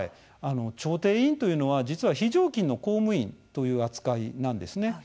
調停委員というのは実は、非常勤の公務員という扱いなんですね。